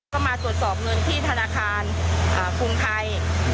ก็มาตรวจสอบเงินที่ธนาคารกรุงไทย